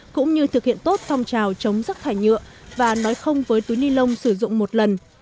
cũng như thực hiện tốt phong trào chống rắc thải nhựa và nói không với túi ni lông sử dụng một lần